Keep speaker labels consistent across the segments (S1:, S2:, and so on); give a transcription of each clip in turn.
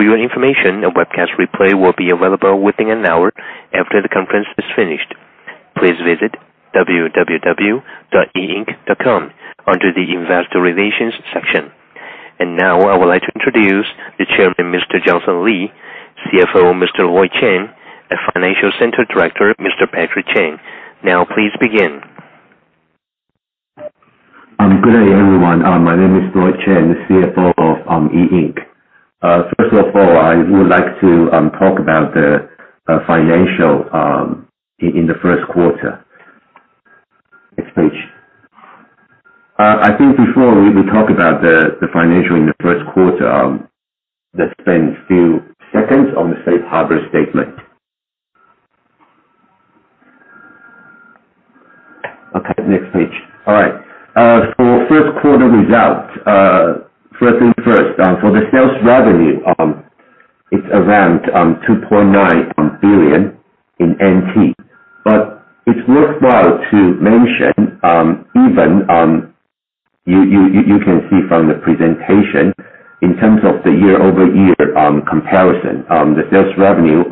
S1: For your information, a webcast replay will be available within an hour after the conference is finished. Please visit www.eink.com under the investor relations section. Now I would like to introduce the Chairman, Mr. Johnson Lee, CFO, Mr. Lloyd Chen, and Financial Center Director, Mr. Patrick Chang. Now please begin.
S2: Good day everyone. My name is Lloyd Chen, the CFO of E Ink. First of all, I would like to talk about the financial in the first quarter. Next page. I think before we talk about the financial in the first quarter, let's spend a few seconds on the safe harbor statement. Okay, next page. All right. For first quarter results. First things first, for the sales revenue, it's around 2.9 billion. It's worthwhile to mention, you can see from the presentation in terms of the year-over-year comparison, the sales revenue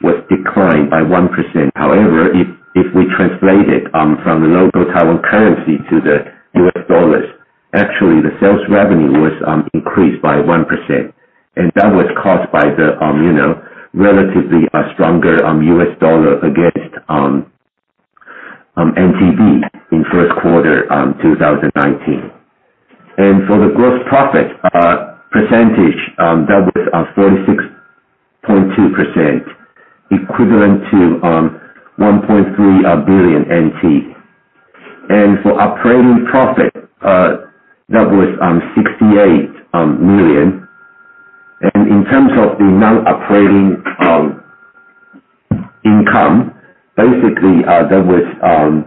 S2: was declined by 1%. However, if we translate it from the local Taiwan currency to the U.S. dollars, actually the sales revenue was increased by 1% and that was caused by the relatively stronger U.S. dollar against NTD in first quarter 2019. For the gross profit percentage, that was 46.2%, equivalent to 1.3 billion NT. For operating profit, that was 68 million. In terms of the non-operating income, basically that was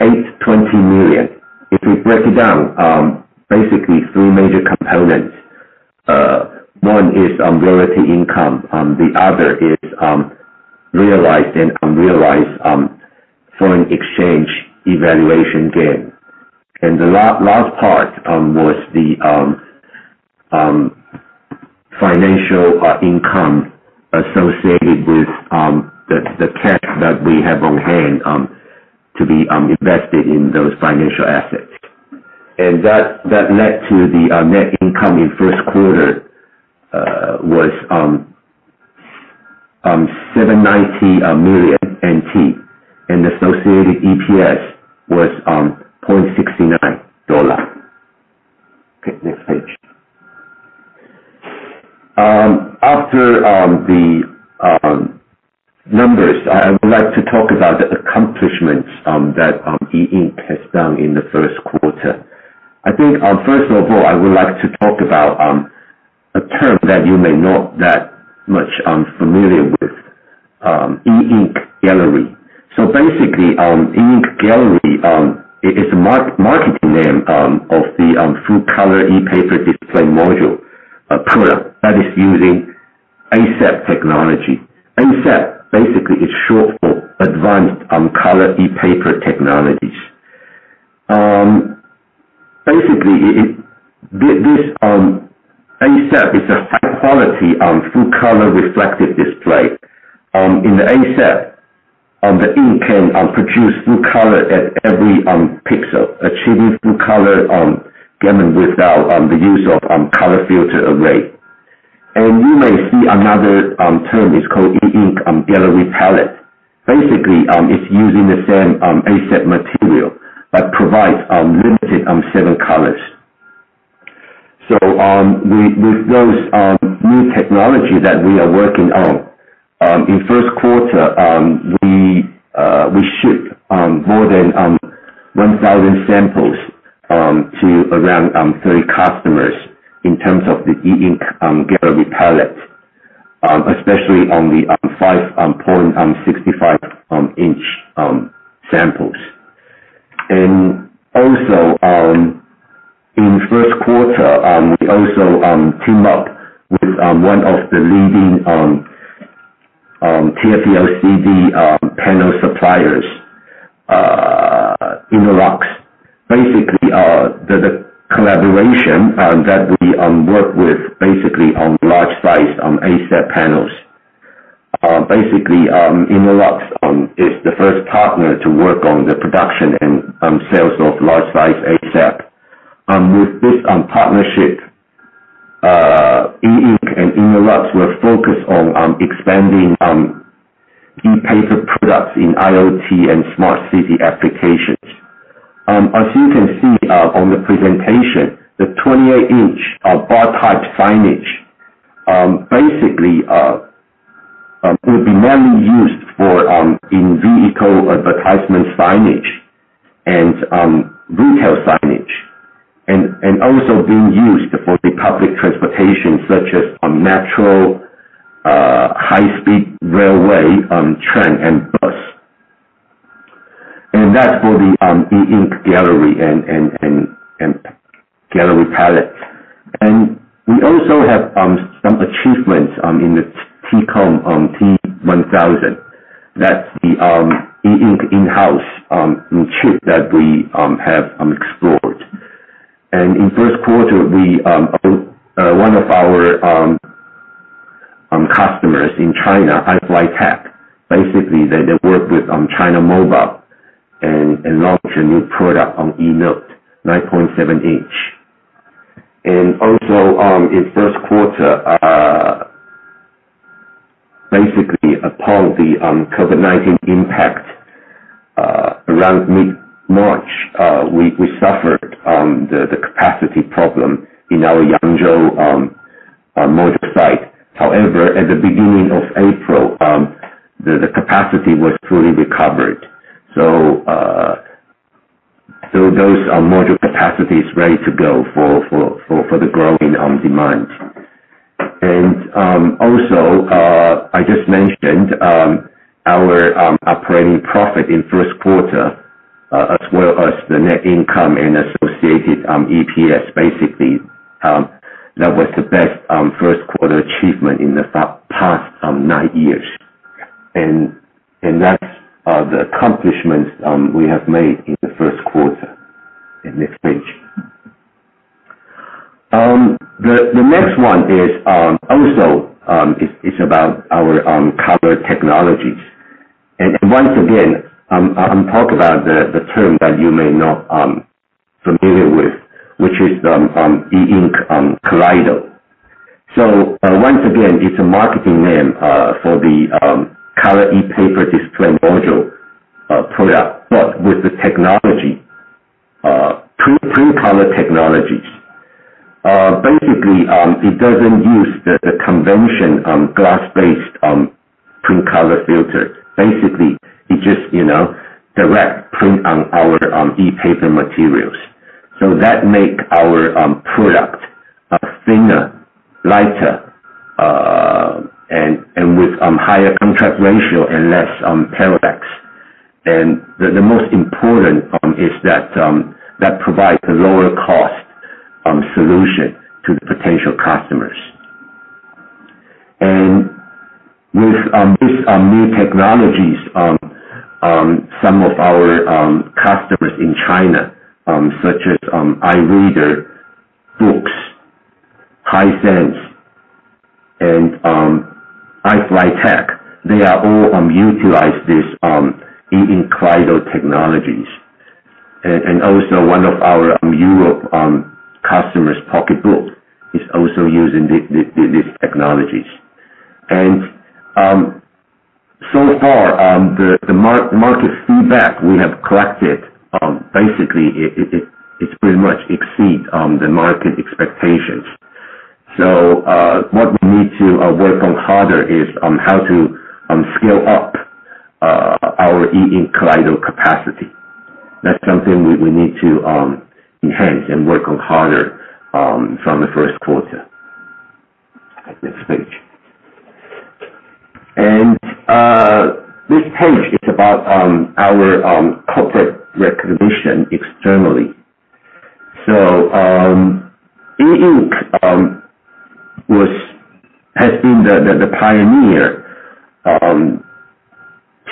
S2: 820 million. If we break it down, basically three major components. One is royalty income. The other is realized and unrealized foreign exchange evaluation gain. The last part was the financial income associated with the cash that we have on hand to be invested in those financial assets. That led to the net income in first quarter was 790 million NT, and associated EPS was 0.69 dollar. Okay, next page. After the numbers, I would like to talk about the accomplishments that E Ink has done in the first quarter. I think first of all, I would like to talk about a term that you may not be that familiar with, E Ink Gallery. Basically, E Ink Gallery is the marketing name of the full color ePaper display module product that is using ACeP technology. ACeP basically is short for Advanced Color ePaper technologies. Basically, this ACeP is a high-quality, full-color reflective display. In the ACeP, the ink can produce full color at every pixel, achieving full color gamut without the use of color filter array. You may see another term, it's called E Ink Gallery Palette. Basically, it's using the same ACeP material but provides limited seven colors. With those new technology that we are working on, in first quarter, we shipped more than 1,000 samples to around 30 customers in terms of the E Ink Gallery Palette, especially on the 5.65-inch samples. Also in first quarter, we also teamed up with one of the leading TFT-LCD panel suppliers, Innolux. The collaboration that we work with on large sized ACeP panels. Innolux is the first partner to work on the production and sales of large size ACeP. With this partnership, E Ink and Innolux will focus on expanding ePaper products in IoT and smart city applications. As you can see on the presentation, the 28-inch bar type signage will be mainly used for in-vehicle advertisement signage and retail signage, and also being used for the public transportation such as national high-speed railway, train, and bus. That's for the E Ink Gallery and Gallery Palette. We also have some achievements in the TCON T1000. That's the E Ink in-house chip that we have explored. In first quarter, one of our customers in China, iFLYTEK, they work with China Mobile and launched a new product on eNote, 9.7 inch. In first quarter, basically upon the COVID-19 impact, around mid-March, we suffered the capacity problem in our Yangzhou module site. At the beginning of April, the capacity was fully recovered. Those are module capacities ready to go for the growing demand. I just mentioned our operating profit in first quarter, as well as the net income and associated EPS, basically. That was the best first quarter achievement in the past nine years. That's the accomplishments we have made in the first quarter. Next page. The next one also is about our color technologies. Once again, I'll talk about the term that you may not familiar with, which is the E Ink Kaleido. Once again, it's a marketing name for the color ePaper display module product, but with the technology, true color technologies. It doesn't use the convention glass-based true color filter. It's just direct print on our ePaper materials. That make our product thinner, lighter, and with higher contrast ratio and less parallax. The most important is that provides a lower cost solution to potential customers. With these new technologies, some of our customers in China, such as iReader, BOOX, Hisense and iFLYTEK, they are all utilize this E Ink Kaleido technologies. Also one of our Europe customers, PocketBook, is also using these technologies. So far, the market feedback we have collected, basically, it's pretty much exceed the market expectations. What we need to work on harder is on how to scale up our E Ink Kaleido capacity. That's something we need to enhance and work on harder from the first quarter. Next page. This page is about our corporate recognition externally. E Ink has been the pioneer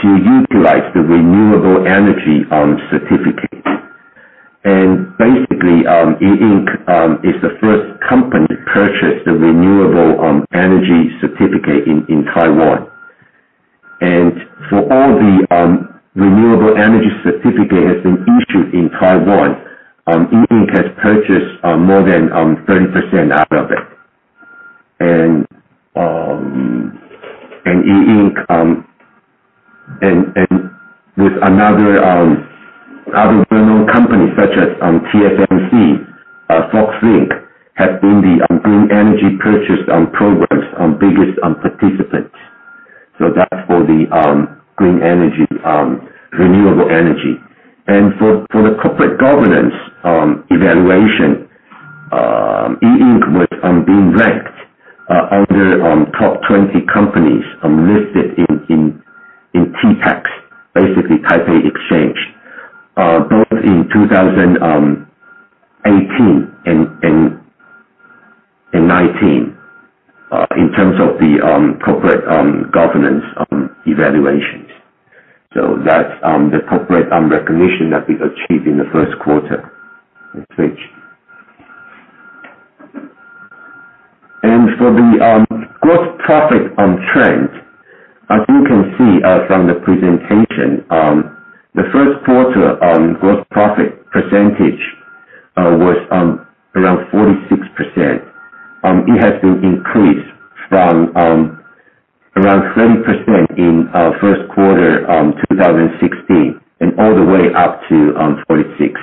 S2: to utilize the renewable energy certificate. Basically, E Ink is the first company to purchase the renewable energy certificate in Taiwan. For all the renewable energy certificate that has been issued in Taiwan, E Ink has purchased more than 30% out of it. With other well-known companies such as TSMC, Foxlink, have been the green energy purchase progress biggest participants. That's for the green energy, renewable energy. For the corporate governance evaluation, E Ink was being ranked under top 20 companies listed in TPEX, basically Taipei Exchange, both in 2018 and 2019, in terms of the corporate governance evaluations. That's the corporate recognition that we achieved in the first quarter. Next page. For the gross profit on trend, as you can see from the presentation, the first quarter gross profit percentage was around 46%. It has been increased from around 30% in first quarter 2016, all the way up to 46%.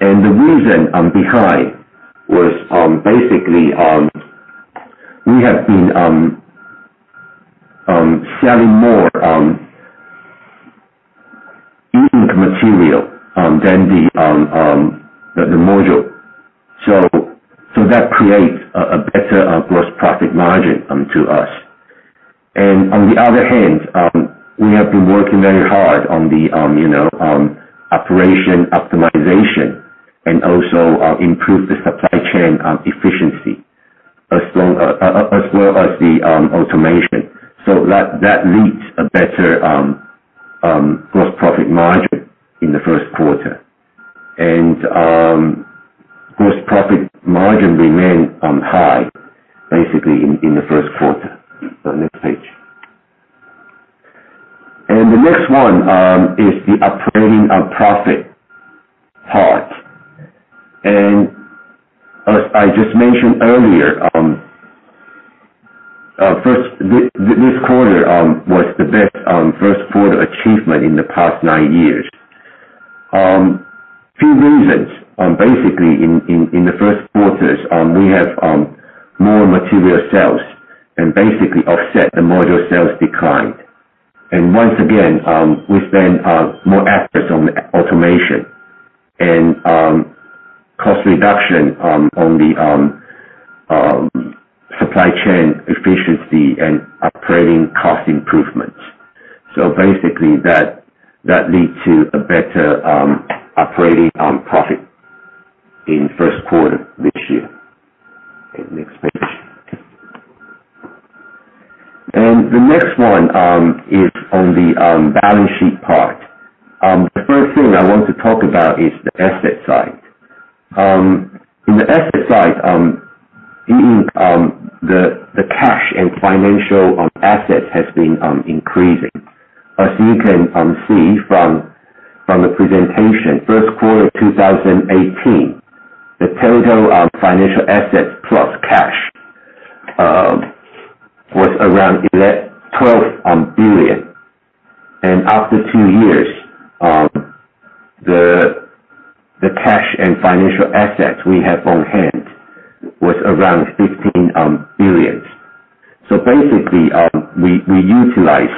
S2: The reason behind was basically, we have been selling more E Ink material than the module. That create a better gross profit margin to us. On the other hand, we have been working very hard on the operation optimization and also improve the supply chain efficiency, as well as the automation. That leads a better gross profit margin in the first quarter. Gross profit margin remained high, basically, in the first quarter. Next page. The next one is the operating profit part. As I just mentioned earlier, this quarter was the best first-quarter achievement in the past nine years. Few reasons. Basically, in the first quarters, we have more material sales and basically offset the module sales decline. Once again, we spend more efforts on automation and cost reduction on the supply chain efficiency and operating cost improvements. Basically that leads to a better operating profit in first quarter this year. Next page. The next one is on the balance sheet part. The first thing I want to talk about is the asset side. In the asset side, the cash and financial assets has been increasing. As you can see from the presentation, first quarter 2018, the total financial assets plus cash was around 12 billion. After two years, the cash and financial assets we have on hand was around 15 billion. Basically, we utilize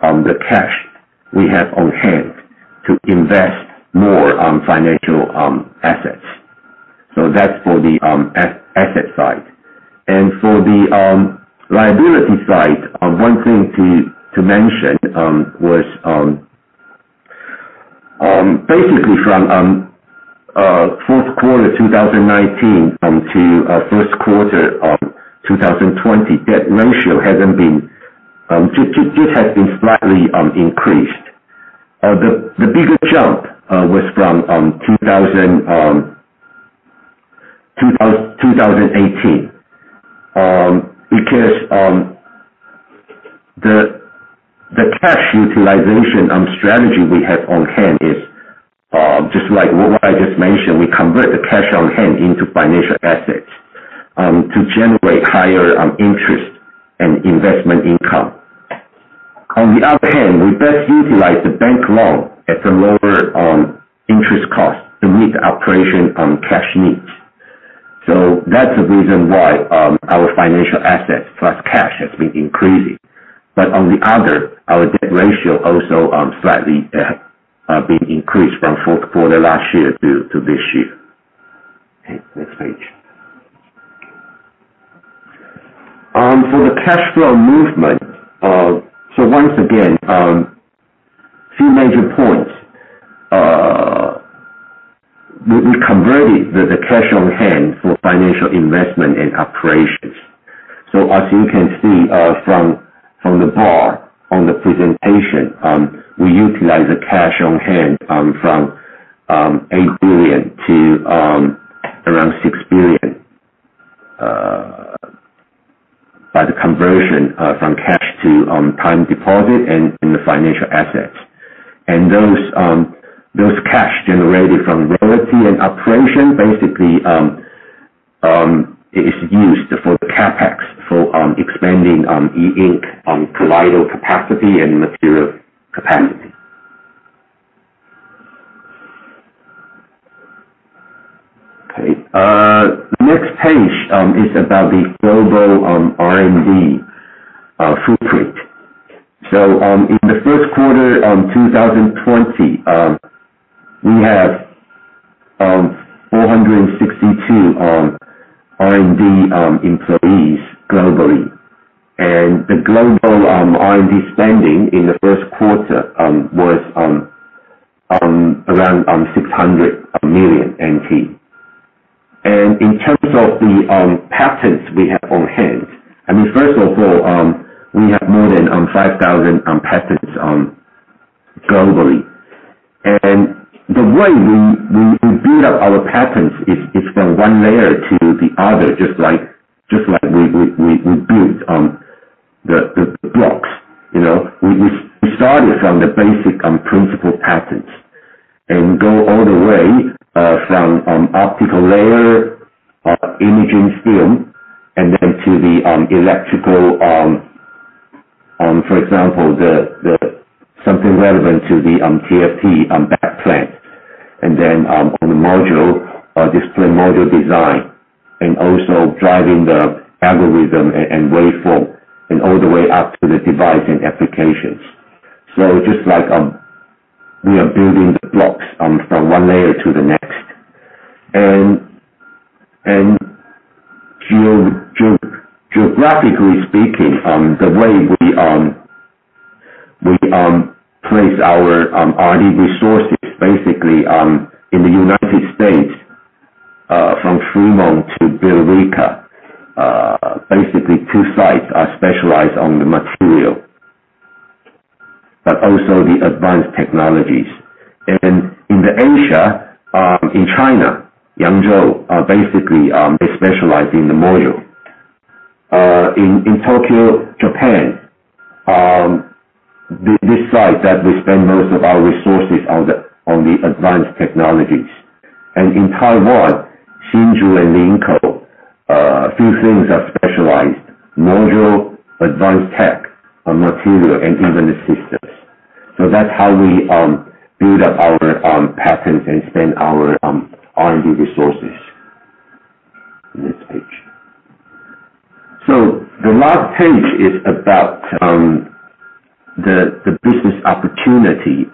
S2: the cash we have on hand to invest more on financial assets. That's for the asset side. For the liability side, one thing to mention was, basically from fourth quarter 2019 to first quarter 2020, debt ratio just has been slightly increased. The bigger jump was from 2018 because the cash utilization strategy we have on hand is, just like what I just mentioned, we convert the cash on hand into financial assets to generate higher interest and investment income. On the other hand, we best utilize the bank loan at the lower interest cost to meet the operation cash needs. That's the reason why our financial assets plus cash has been increasing. Our debt ratio also slightly being increased from fourth quarter last year to this year. Okay. Next page. For the cash flow movement, so once again, few major points. We converted the cash on hand for financial investment and operations. As you can see from the bar on the presentation, we utilize the cash on hand from 8 billion to around 6 billion, by the conversion from cash to time deposit and the financial assets. Those cash generated from royalty and operation, basically, is used for the CapEx, for expanding E Ink Kaleido capacity and material capacity. Next page is about the global R&D footprint. In the first quarter of 2020, we have 462 R&D employees globally. The global R&D spending in the first quarter was around 600 million NT. In terms of the patents we have on hand, I mean, first of all, we have more than 5,000 patents globally. The way we build up our patents is from one layer to the other, just like we build the blocks. We started from the basic principle patents and go all the way from optical layer, imaging film, and then to the electrical. For example, something relevant to the TFT backplane. On the module, display module design, and also driving the algorithm and waveform, and all the way up to the device and applications. Just like we are building the blocks from one layer to the next. Geographically speaking, the way we place our R&D resources, basically, in the United States, from Fremont to Billerica, basically two sites are specialized on the material, but also the advanced technologies. In Asia, in China, Yangzhou, basically, they specialize in the module. In Tokyo, Japan, this site that we spend most of our resources on the advanced technologies, and in Taiwan, Hsinchu and Linkou, a few things are specialized: module, advanced tech, material, and even the systems. That's how we build up our patents and spend our R&D resources. Next page. The last page is about the business opportunity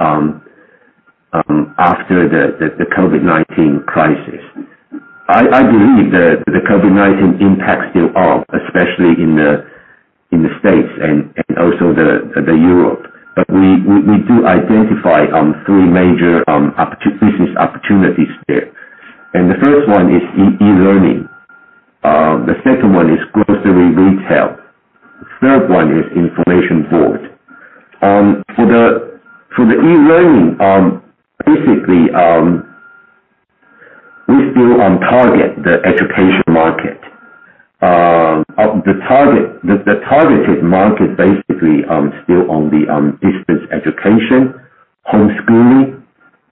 S2: after the COVID-19 crisis. I believe the COVID-19 impact still on, especially in the States and also Europe. We do identify three major business opportunities there. The first one is e-learning. The second is grocery retail. Third one is information board. For the e-learning, basically, we still target the education market. The targeted market, basically, still on the distance education, homeschooling,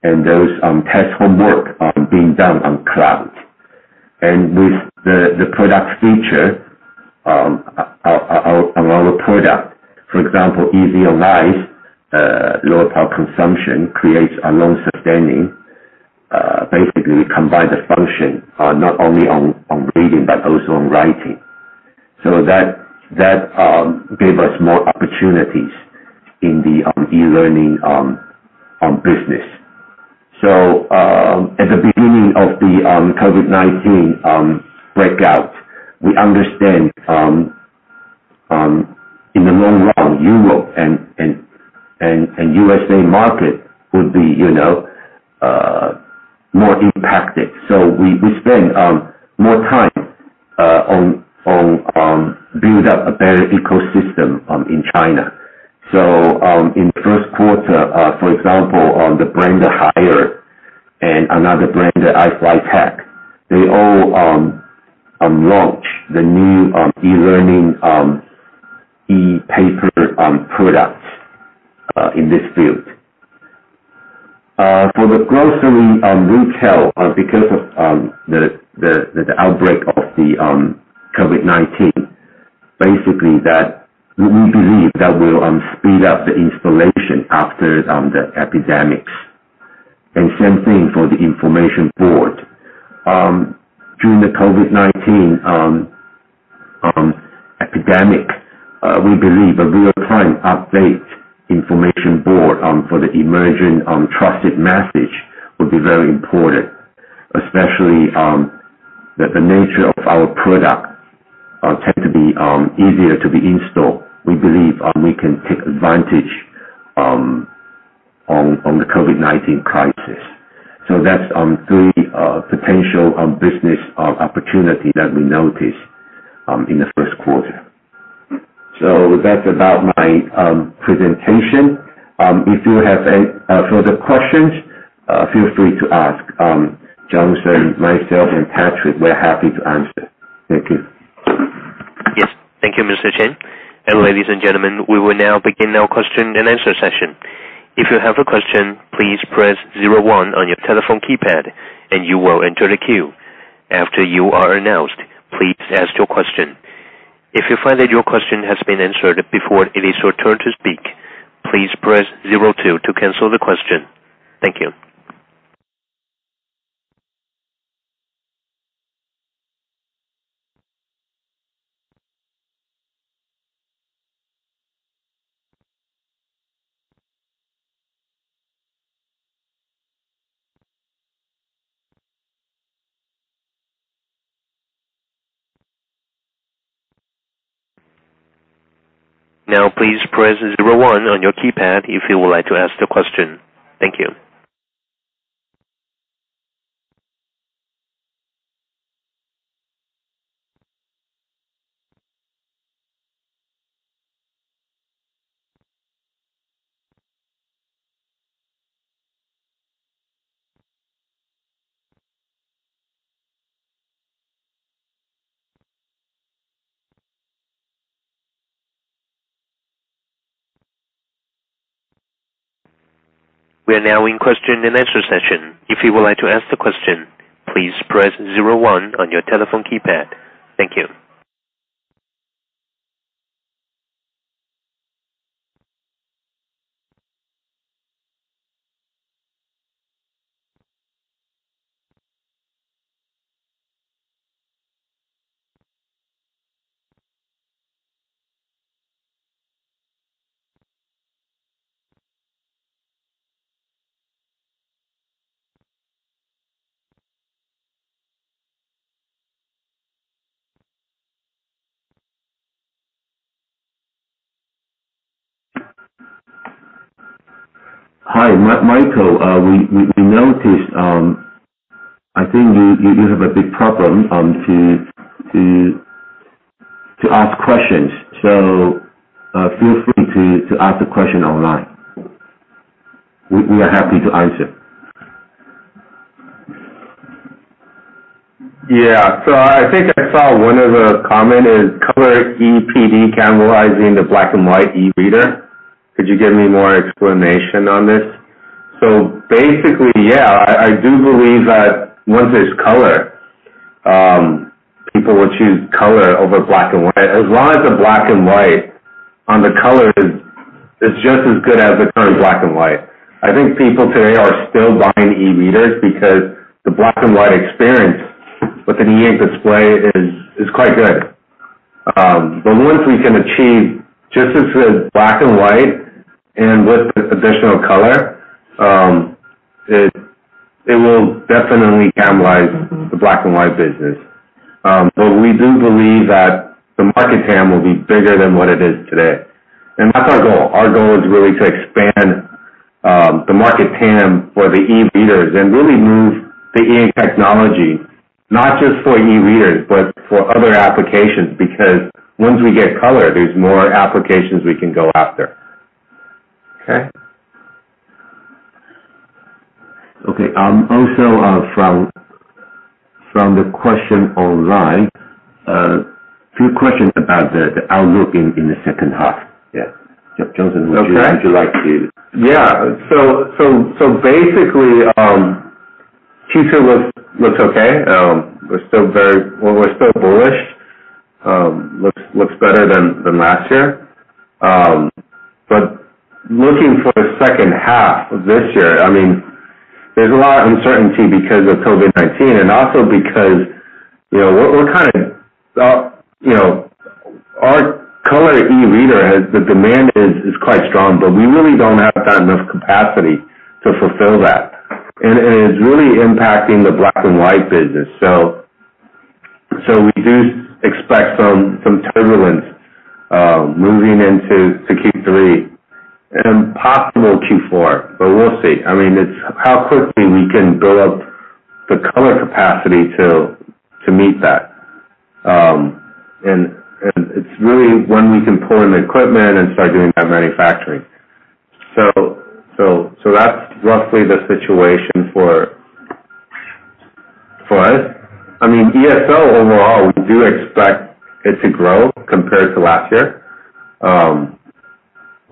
S2: and those test homework being done on cloud. With the product feature of our product, for example, easy on eyes, lower power consumption, creates a long-sustaining, basically, we combine the function, not only on reading but also on writing. That gave us more opportunities in the e-learning business. At the beginning of the COVID-19 outbreak, we understand, in the long run, Europe and U.S.A. market would be more impacted. We spend more time on build up a better ecosystem in China. In the first quarter, for example, the brand Hisense and another brand, the iFLYTEK, they all launch the new e-learning ePaper products in this field. For the grocery retail, because of the outbreak of the COVID-19, basically, we believe that will speed up the installation after the epidemics. Same thing for the information board. During the COVID-19 epidemic, we believe a real-time update information board for the emerging trusted message would be very important, especially that the nature of our product tend to be easier to be installed. We believe we can take advantage on the COVID-19 crisis. That's three potential business opportunity that we notice in the first quarter. That's about my presentation. If you have any further questions, feel free to ask. Johnson, myself, and Patrick, we're happy to answer. Thank you.
S1: Yes. Thank you, Mr. Chang. Ladies and gentlemen, we will now begin our question and answer session. If you have a question, please press zero one on your telephone keypad and you will enter the queue. After you are announced, please ask your question. If you find that your question has been answered before it is your turn to speak, please press zero two to cancel the question. Thank you. Now, please press zero one on your keypad if you would like to ask the question. Thank you. We are now in question and answer session. If you would like to ask the question, please press zero one on your telephone keypad. Thank you.
S2: Hi, Michael. We noticed, I think you have a big problem to ask questions. Feel free to ask the question online. We are happy to answer.
S3: Yeah. I think I saw one of the comment is color EPD cannibalizing the black and white e-reader. Could you give me more explanation on this? Basically, yeah, I do believe that once there's color, people will choose color over black and white, as long as the black and white on the color is just as good as the current black and white. I think people today are still buying e-readers because the black and white experience with an E Ink display is quite good. Once we can achieve just as good black and white and with additional color, it will definitely cannibalize the black and white business. We do believe that the market TAM will be bigger than what it is today. That's our goal. Our goal is really to expand the market TAM for the e-readers and really move the E Ink technology, not just for e-readers, but for other applications, because once we get color, there is more applications we can go after. Okay?
S2: Okay. From the question online, a few questions about the outlook in the second half. Johnson, would you-
S3: Okay
S2: would you like to?
S3: Yeah. Basically, Q2 looks okay. We're still bullish. Looks better than last year. Looking for the second half of this year, there's a lot of uncertainty because of COVID-19 and also because our color e-reader, the demand is quite strong, but we really don't have that enough capacity to fulfill that, and it is really impacting the black and white business. We do expect some turbulence, moving into Q3 and possible Q4, but we'll see. It's how quickly we can build up the color capacity to meet that. It's really when we can pull in the equipment and start doing that manufacturing. That's roughly the situation for us. ESL overall, we do expect it to grow compared to last year.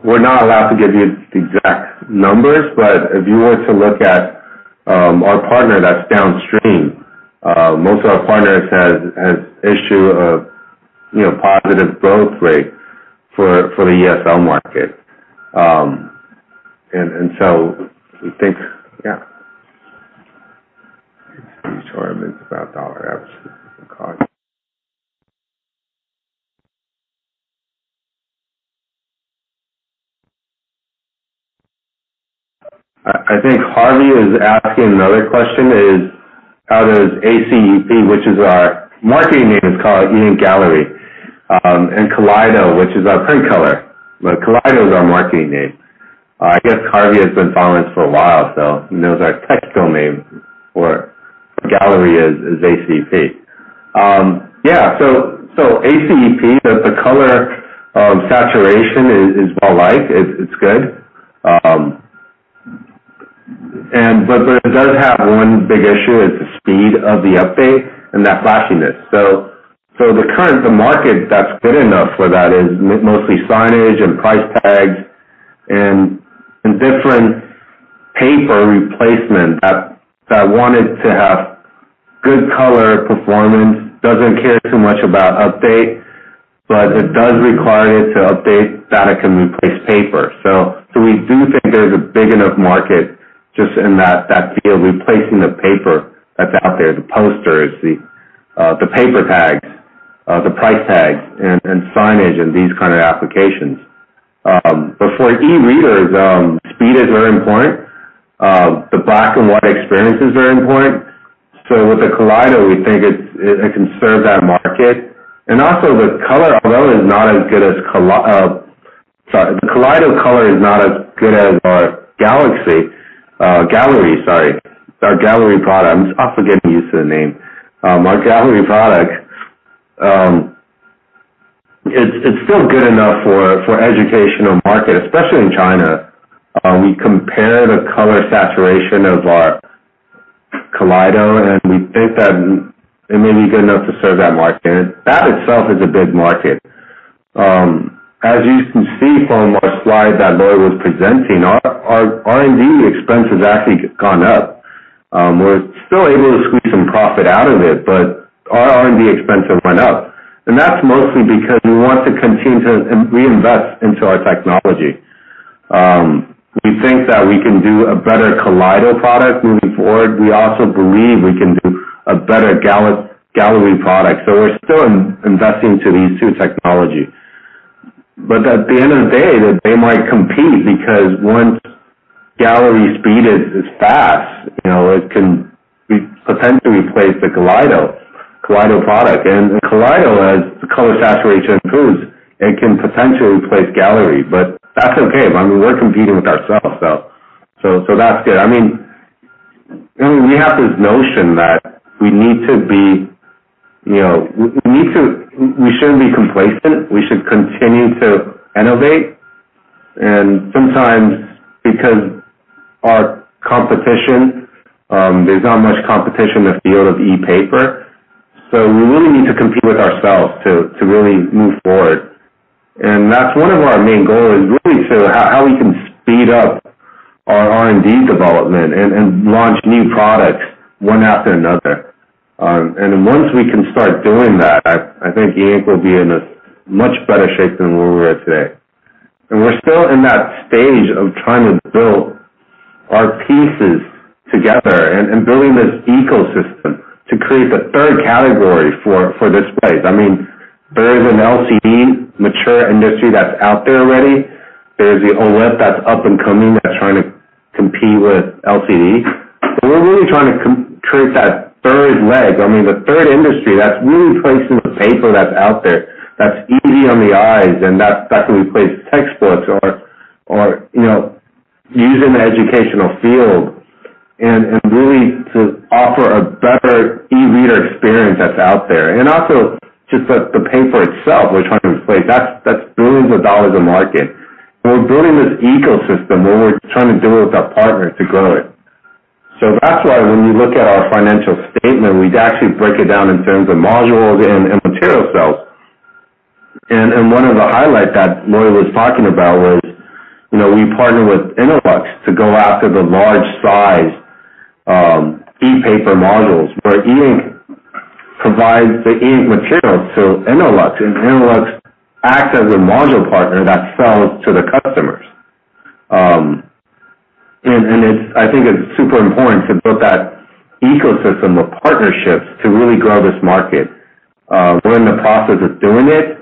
S3: We're not allowed to give you the exact numbers, but if you were to look at our partner that's downstream, most of our partners has issued a positive growth rate for the ESL market. We think, yeah.
S2: These [turn around] about dollar average cost.
S3: I think Harvey is asking another question, is how does ACeP, which is our marketing name, is called E Ink Gallery, and Kaleido, which is our print color, but Kaleido is our marketing name. I guess Harvey has been following us for a while. He knows our technical name for Gallery is ACeP. Yeah. ACeP, the color saturation is well-liked. It's good. It does have one big issue, it's the speed of the update and that flashiness. The market that's good enough for that is mostly signage and price tags and different paper replacement that wanted to have good color performance, doesn't care too much about update, but it does require it to update that it can replace paper. We do think there's a big enough market just in that field, replacing the paper that's out there, the posters, the paper tags, the price tags, and signage and these kind of applications. For e-readers, speed is very important. The black and white experience is very important. With the Kaleido, we think it can serve that market. Also the color, although the Kaleido color is not as good as our Gallery product. I'm also getting used to the name. Our Gallery product, it's still good enough for educational market, especially in China. We compare the color saturation of our Kaleido, and we think that it may be good enough to serve that market. That itself is a big market. As you can see from our slide that Lloyd was presenting, our R&D expense has actually gone up. We're still able to squeeze some profit out of it, our R&D expenses went up. That's mostly because we want to continue to reinvest into our technology. We think that we can do a better Kaleido product moving forward. We also believe we can do a better Gallery product. We're still investing to these two technology. At the end of the day, they might compete because once Gallery speed is fast, it can potentially replace the Kaleido product. Kaleido, as the color saturation improves, it can potentially replace Gallery. That's okay. We're competing with ourselves, that's good. We have this notion that we shouldn't be complacent. We should continue to innovate, and sometimes because our competition, there's not much competition in the field of ePaper, so we really need to compete with ourselves to really move forward. That's one of our main goal, is really how we can speed up our R&D development and launch new products one after another. Once we can start doing that, I think E Ink will be in a much better shape than where we're at today. We're still in that stage of trying to build our pieces together and building this ecosystem to create the 3rd category for displays. There is an LCD mature industry that's out there already. There's the OLED that's up and coming, that's trying to compete with LCD. We're really trying to create that third leg, the third industry that's really replacing the paper that's out there, that's easy on the eyes and that can replace textbooks or used in the educational field. Really to offer a better e-reader experience that's out there. Also just the paper itself we're trying to replace. That's billions of TWD of market. We're building this ecosystem and we're trying to do it with our partners to grow it. That's why when you look at our financial statement, we'd actually break it down in terms of modules and material sales. One of the highlights that Lloyd was talking about was, we partnered with Innolux to go after the large size ePaper modules, where E Ink provides the E Ink materials to Innolux, and Innolux acts as a module partner that sells to the customers. I think it's super important to build that ecosystem of partnerships to really grow this market. We're in the process of doing it.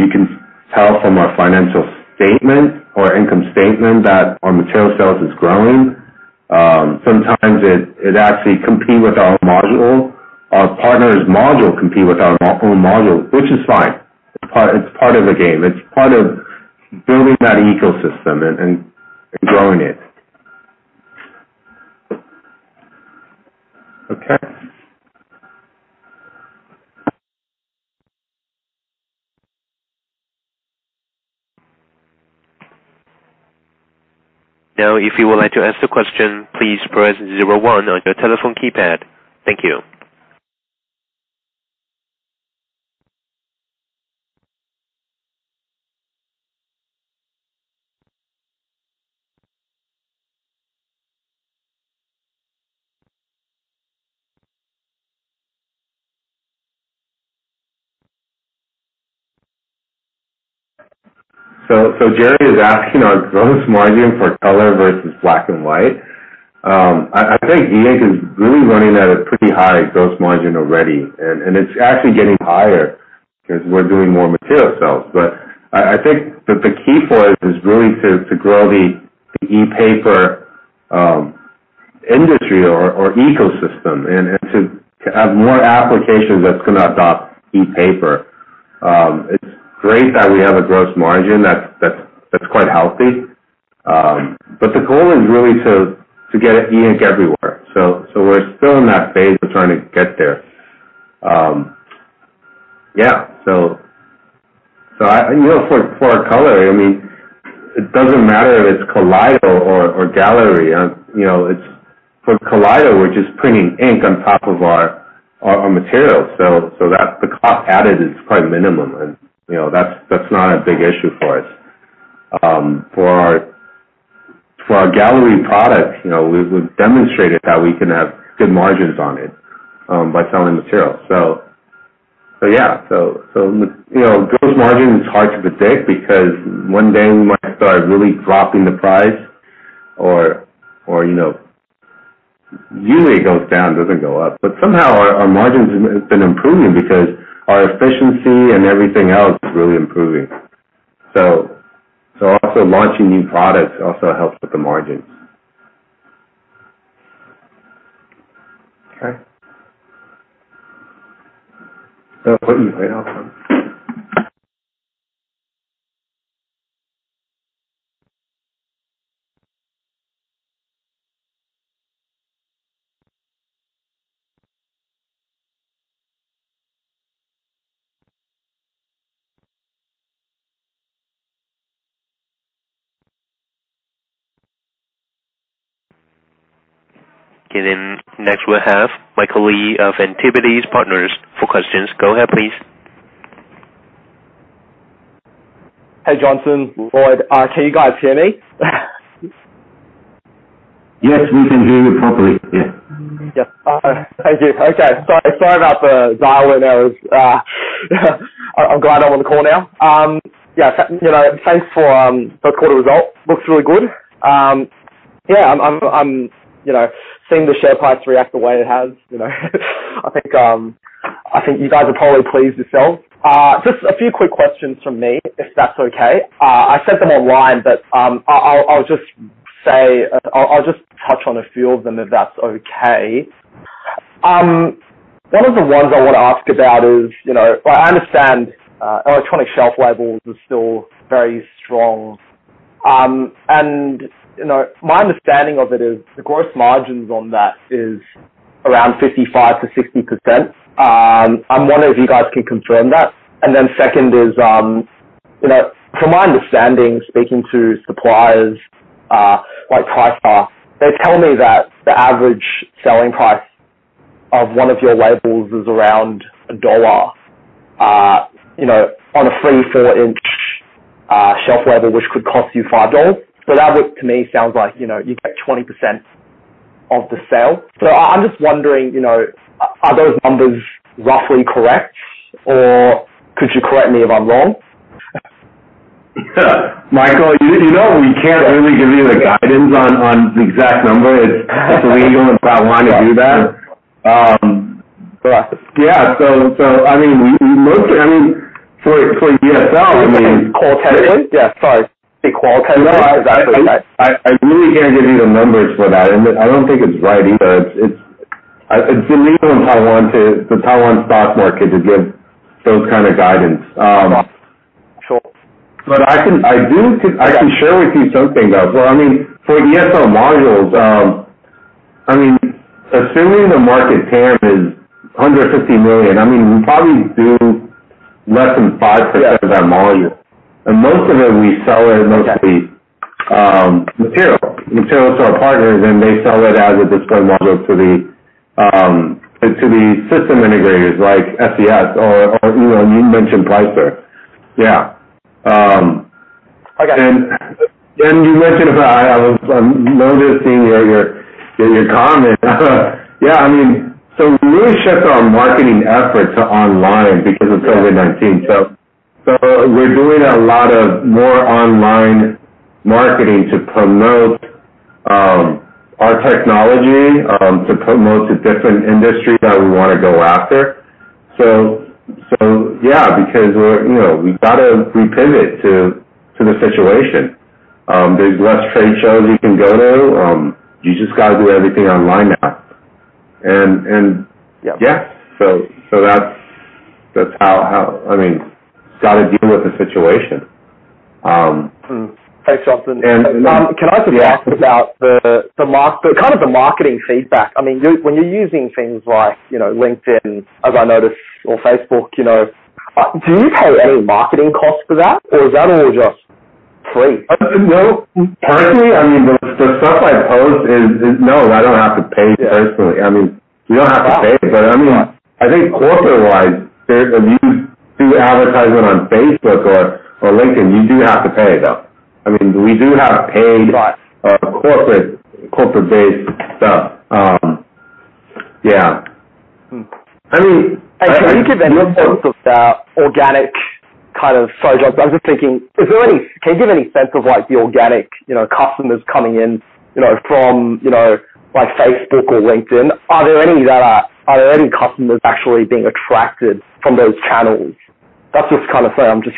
S3: You can tell from our financial statement or income statement that our material sales is growing. Sometimes it actually compete with our module. Our partner's module compete with our own module, which is fine. It's part of the game. It's part of building that ecosystem and growing it. Okay.
S1: If you would like to ask the question, please press zero one on your telephone keypad. Thank you.
S3: Jerry is asking our gross margin for color versus black and white. I think E Ink is really running at a pretty high gross margin already, and it's actually getting higher because we're doing more material sales. I think that the key for us is really to grow the ePaper industry or ecosystem and to have more applications that's going to adopt ePaper. It's great that we have a gross margin that's quite healthy. The goal is really to get E Ink everywhere. We're still in that phase of trying to get there. Yeah. For our color, it doesn't matter if it's Kaleido or Gallery. For Kaleido, we're just printing ink on top of our materials, so the cost added is quite minimum and that's not a big issue for us. For our Gallery product, we've demonstrated that we can have good margins on it by selling materials. Gross margin is hard to predict because one day we might start really dropping the price or usually it goes down, doesn't go up. Somehow our margin has been improving because our efficiency and everything else is really improving. Also launching new products also helps with the margins. Okay.
S1: Okay, next we'll have Michael Li of Antipodes Partners for questions. Go ahead, please.
S4: Hey, Johnson, Lloyd. Can you guys hear me?
S3: Yes, we can hear you properly. Yes.
S4: Yeah. All right. Thank you. Okay. Sorry about the dial-in. I'm glad I'm on the call now. Yeah. Thanks for the quarter results. Looks really good. Yeah, I'm seeing the share price react the way it has I think you guys are probably pleased yourself. Just a few quick questions from me, if that's okay. I sent them online, I'll just touch on a few of them if that's okay. One of the ones I want to ask about is, I understand electronic shelf labels are still very strong. My understanding of it is the gross margins on that is around 55%-60%. I'm wondering if you guys can confirm that. Second is, from my understanding, speaking to suppliers like Pricer, they tell me that the average selling price of one of your labels is around $1 on a three, four-inch shelf label, which could cost you $5. That, to me, sounds like you get 20% of the sale. I'm just wondering, are those numbers roughly correct? Could you correct me if I'm wrong?
S3: Michael, you know we can't really give you the guidance on the exact number. It's illegal in Taiwan to do that.
S4: Right.
S3: Yeah. for ESL.
S4: Qualitatively? Yeah, sorry. Say qualitatively.
S3: I really can't give you the numbers for that, and I don't think it's right either. It's illegal in Taiwan, the Taiwan stock market, to give those kind of guidance.
S4: Sure.
S3: I can share with you something, though. For ESL modules, assuming the market TAM is 150 million, we probably do less than 5% of that volume. Most of it we sell as mostly material to our partners, and they sell it as a display module to the system integrators like SES-imagotag or you mentioned Pricer. Yeah.
S4: Okay.
S3: You mentioned about, I'm noticing your comment. We really shifted our marketing effort to online because of COVID-19. We're doing a lot of more online marketing to promote our technology, to promote the different industries that we want to go after. Because we've got to repivot to the situation. There's less trade shows you can go to. You just got to do everything online now.
S4: Yeah.
S3: Yeah. That's how. We got to deal with the situation.
S4: Thanks, Johnson
S3: Yeah.
S4: Can I just ask about the marketing feedback? When you're using things like LinkedIn, as I noticed, or Facebook, do you pay any marketing cost for that, or is that all just free?
S3: No. Personally, the stuff I post is, no, I don't have to pay personally. We don't have to pay. I think corporate-wise, if you do advertisement on Facebook or LinkedIn, you do have to pay, though.
S4: Right
S3: corporate-based stuff. Yeah.
S4: Can you give any sense of the organic kind of flow? I'm just thinking, can you give any sense of the organic customers coming in from Facebook or LinkedIn? Are there any customers actually being attracted from those channels? That's just kind of saying.
S3: Right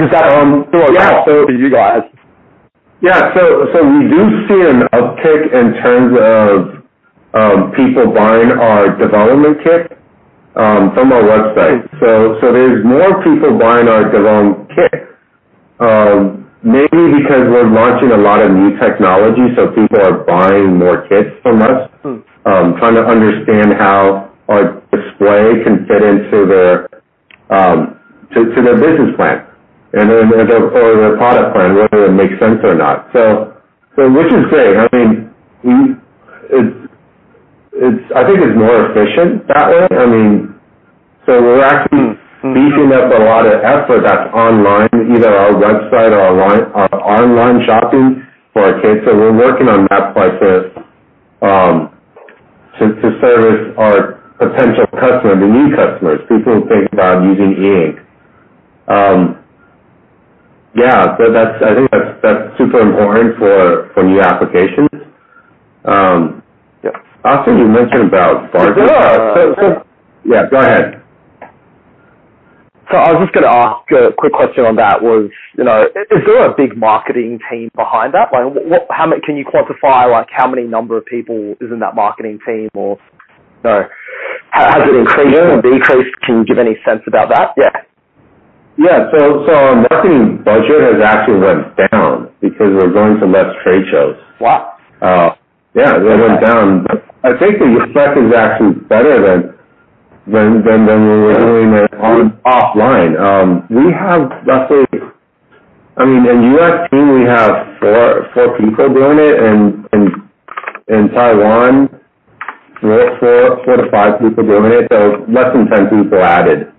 S4: Does that flow well for you guys?
S3: Yeah. We do see an uptick in terms of people buying our development kit from our website. There's more people buying our development kit. Maybe because we're launching a lot of new technology, so people are buying more kits from us. Trying to understand how our display can fit into their business plan and for their product plan, whether it makes sense or not. Which is great. I think it's more efficient that way. We're actually beefing up a lot of effort that's online, either our website or our online shopping for our kits. We're working on that part to service our potential customers, the new customers, people who think about using E Ink. Yeah. I think that's super important for new applications.
S4: Yeah.
S3: I think you mentioned about budget.
S4: Yeah.
S3: Yeah, go ahead.
S4: I was just going to ask a quick question on that, is there a big marketing team behind that? Can you quantify how many people are in that marketing team, or no? Has it increased or decreased? Can you give any sense about that? Yeah.
S3: Yeah. Marketing budget has actually went down because we're going to less trade shows.
S4: Wow.
S3: Yeah. It went down. I think the effect is actually better than when we were doing it offline. We have, I'd say, in U.S. team, we have four people doing it. In Taiwan, four to five people doing it. Less than 10 people added.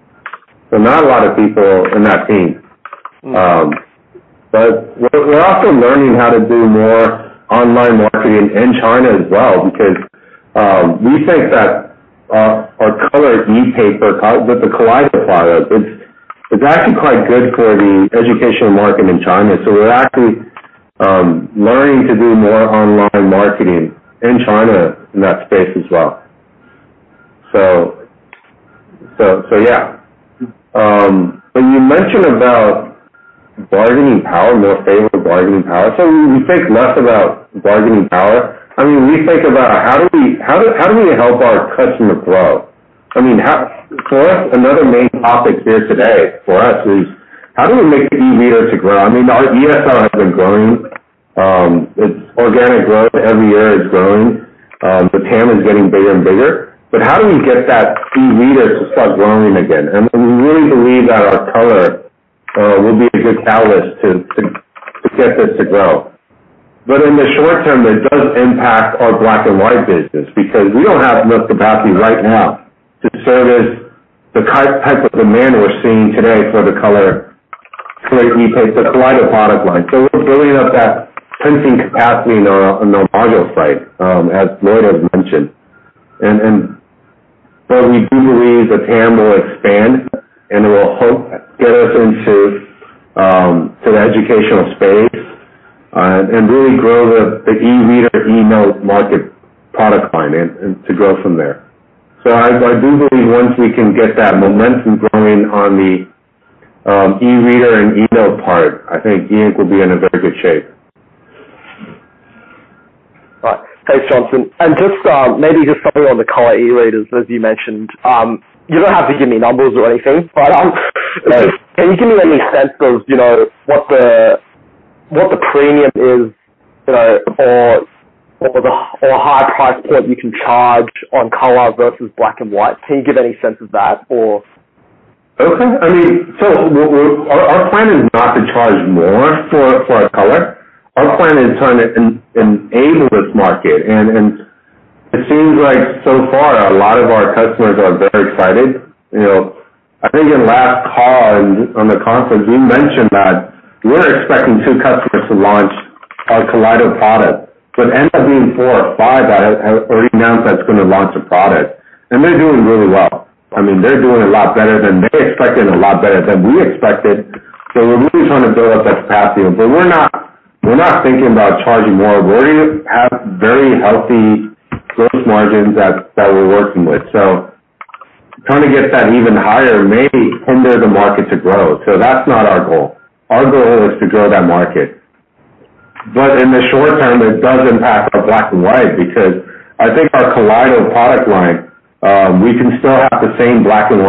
S3: Not a lot of people in that team. We're also learning how to do more online marketing in China as well because we think that our color ePaper with the Kaleido product is actually quite good for the educational market in China. We're actually learning to do more online marketing in China in that space as well. Yeah. When you mention about bargaining power, more favorable bargaining power, so we think less about bargaining power. We think about how do we help our customer grow. For us, another main topic here today for us is how do we make the e-reader to grow? Our ESL has been growing. Its organic growth every year is growing. The TAM is getting bigger and bigger. How do we get that e-reader to start growing again? We really believe that our color will be a good catalyst to get this to grow. In the short term, it does impact our black and white business, because we don't have enough capacity right now to service the type of demand we're seeing today for the color ePaper, Kaleido product line. We're building up that printing capacity in our module site, as Lloyd has mentioned. What we do believe that TAM will expand and will help get us into the educational space, and really grow the e-reader, eNote market product line and to grow from there. I do believe once we can get that momentum growing on the e-reader and eNote part, I think E Ink will be in a very good shape.
S4: Right. Thanks, Johnson. Just maybe just something on the color e-readers, as you mentioned. You don't have to give me numbers or anything, but can you give me any sense of what the premium is or the high price point you can charge on color versus black and white? Can you give any sense of that or?
S3: Okay. Our plan is not to charge more for color. Our plan is trying to enable this market. It seems like so far, a lot of our customers are very excited. I think in last call on the conference, we mentioned that we're expecting two customers to launch our Kaleido product, but end up being four or five that have already announced that it's going to launch a product. They're doing really well. They're doing a lot better than they expected, a lot better than we expected. We're really trying to build up that capacity. We're not thinking about charging more. We already have very healthy gross margins that we're working with. Trying to get that even higher may hinder the market to grow. That's not our goal. Our goal is to grow that market. In the short term, it does impact our black and white, because I think our Kaleido product line, we can still have the same black and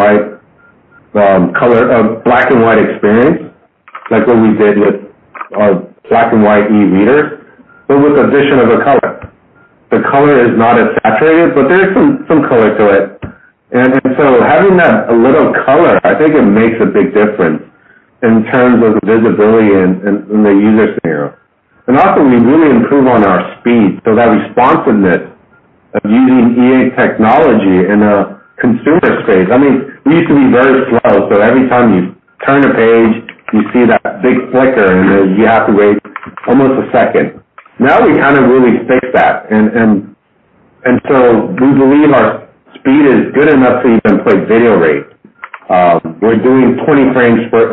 S3: white experience, like what we did with our black and white e-reader, but with addition of a color. The color is not as saturated, but there is some color to it. Having that a little color, I think it makes a big difference in terms of visibility in the user scenario. Also, we really improve on our speed. That responsiveness of using E lnk technology in a consumer space. We used to be very slow, so every time you turn a page, you see that big flicker, and then you have to wait almost a second. Now we kind of really fixed that. We believe our speed is good enough to even play video rate. We're doing 20 frames per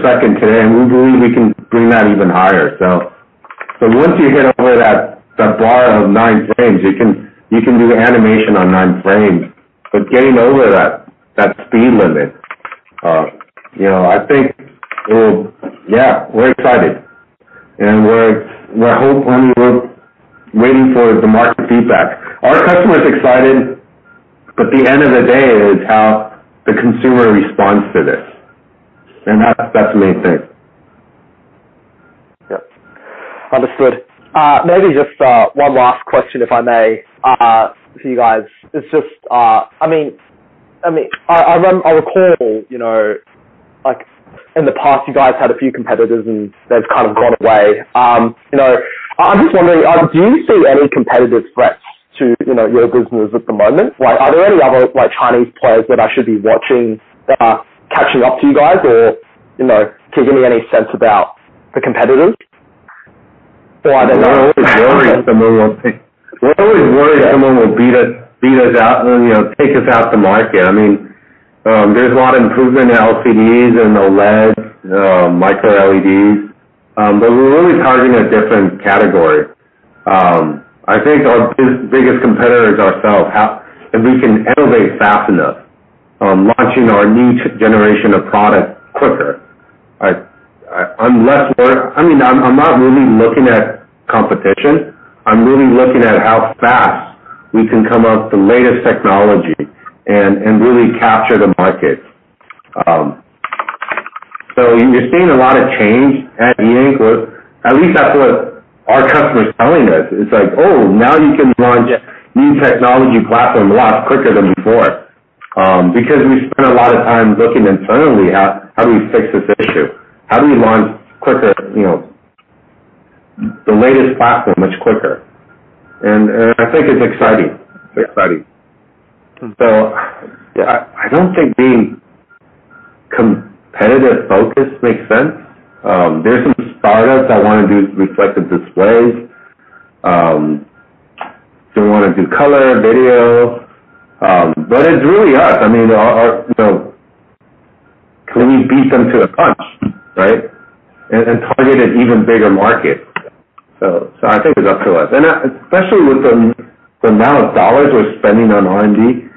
S3: second today, and we believe we can bring that even higher. Once you hit over that bar of nine frames, you can do animation on nine frames. Getting over that speed limit, I think, yeah, we're excited. We're waiting for the market feedback. Our customers are excited, but at the end of the day, it's how the consumer responds to this. That's the main thing.
S4: Yep. Understood. Maybe just one last question, if I may, for you guys. I recall, like in the past, you guys had a few competitors and they've kind of gone away. I'm just wondering, do you see any competitive threats to your business at the moment? Are there any other Chinese players that I should be watching catching up to you guys? Can you give me any sense about the competitors?
S3: We're always worried someone will beat us out and take us out the market. There's a lot of improvement in LCDs and OLEDs, micro LEDs, we're really targeting a different category. I think our biggest competitor is ourselves. If we can innovate fast enough, launching our new generation of product quicker. I'm not really looking at competition. I'm really looking at how fast we can come up with the latest technology and really capture the market. You're seeing a lot of change at E Ink, or at least that's what our customer's telling us. It's like, now you can launch a new technology platform a lot quicker than before. We spent a lot of time looking internally at how do we fix this issue? How do we launch the latest platform much quicker? I think it's exciting.
S4: Yeah.
S3: I don't think the competitive focus makes sense. There are some startups that want to do reflective displays. Some want to do color video. It's really us. Can we beat them to a punch, right? Target an even bigger market. I think it's up to us, and especially with the amount of dollars we're spending on R&D,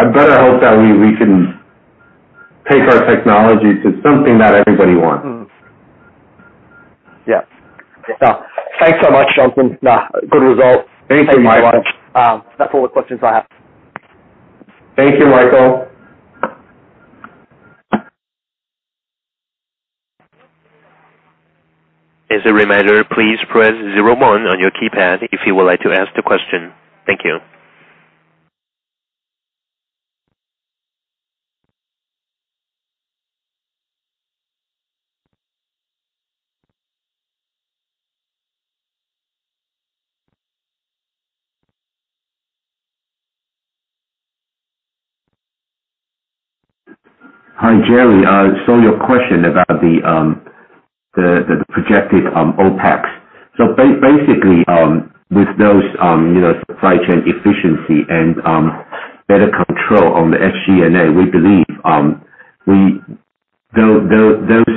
S3: I better hope that we can take our technology to something that everybody wants.
S4: Yeah. Thanks so much, Johnson. Good result.
S3: Thank you, Michael.
S4: Thank you. That's all the questions I have.
S3: Thank you, Michael.
S1: As a reminder, please press zero one on your keypad if you would like to ask the question. Thank you.
S2: Hi, Jerry. I saw your question about the projected OPEX. Basically, with those supply chain efficiency and better control on the SG&A, we believe those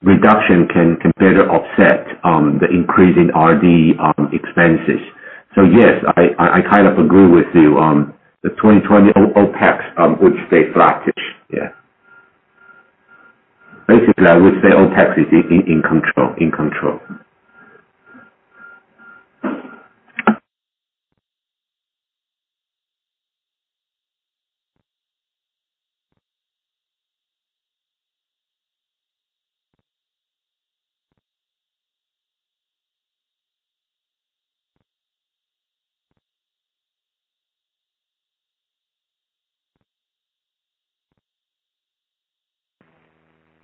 S2: reduction can better offset the increasing R&D expenses. Yes, I kind of agree with you on the 2020 OPEX would stay flattish, yeah. Basically, I would say OPEX is in control.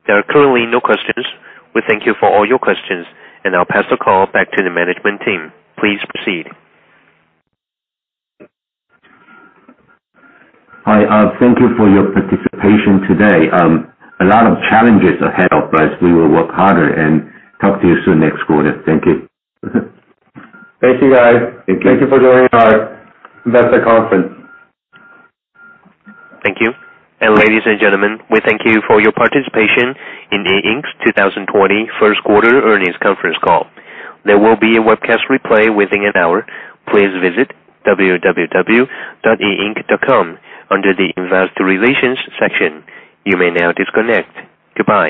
S1: There are currently no questions. We thank you for all your questions, and I'll pass the call back to the management team. Please proceed.
S2: Hi, thank you for your participation today. A lot of challenges ahead of us. We will work harder and talk to you soon next quarter. Thank you.
S3: Thank you, guys.
S2: Thank you.
S3: Thank you for joining our investor conference.
S1: Thank you. Ladies and gentlemen, we thank you for your participation in E Ink's 2020 first quarter earnings conference call. There will be a webcast replay within an hour. Please visit www.eink.com under the investor relations section. You may now disconnect. Goodbye.